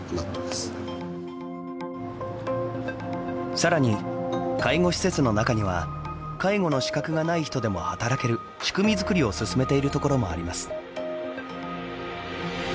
さらに介護施設の中には介護の資格がない人でも働ける仕組み作りを進めているところもあります。